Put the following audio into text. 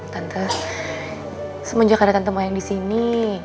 tante semenjak ada tante mayang disini